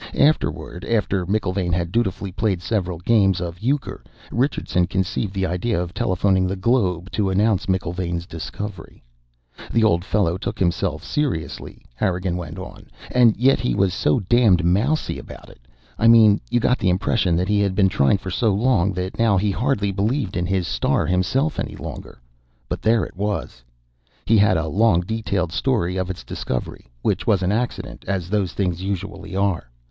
Afterward, after McIlvaine had dutifully played several games of euchre, Richardson conceived the idea of telephoning the Globe to announce McIlvaine's discovery. "The old fellow took himself seriously," Harrigan went on. "And yet he was so damned mousy about it. I mean, you got the impression that he had been trying for so long that now he hardly believed in his star himself any longer. But there it was. He had a long, detailed story of its discovery, which was an accident, as those things usually are.